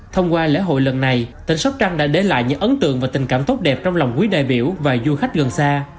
thông qua lễ hội lần này tỉnh sóc trăng đã để lại những ấn tượng và tình cảm tốt đẹp trong lòng quý đại biểu và du khách gần xa